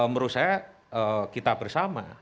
menurut saya kita bersama